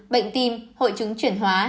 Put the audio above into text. bệnh tim hội trứng chuyển hóa